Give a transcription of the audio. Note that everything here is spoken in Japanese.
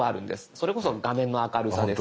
それこそ画面の明るさですとか。